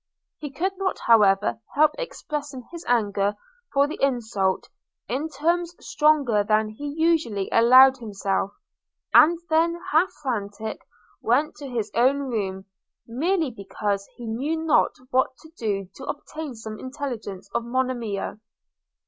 He could not however help expressing his anger for the insult, in terms stronger than he usually allowed himself; and then, half frantic, went to his own room, merely because he knew not what to do to obtain some intelligence of Monimia.